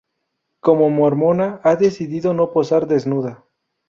Como mormona, ha decidido no posar desnuda.